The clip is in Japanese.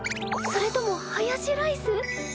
それともハヤシライス？